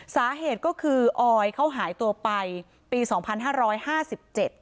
สาเหตุก็คือออยเขาหายตัวไปปีสองพันห้าร้อยห้าสิบเจ็ด